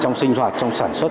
trong sinh hoạt trong sản xuất